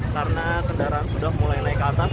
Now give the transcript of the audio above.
karena kendaraan sudah mulai naik ke atas